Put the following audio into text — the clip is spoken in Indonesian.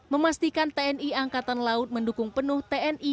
memastikan tni angkatan laut mendukung penuh tni